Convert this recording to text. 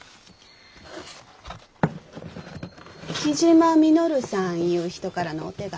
雉真稔さんいう人からのお手紙？